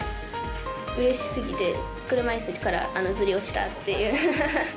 うれしすぎて、車いすからずり落ちたっていう。